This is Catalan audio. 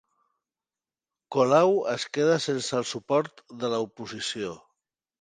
Colau es queda sense el suport de l'oposició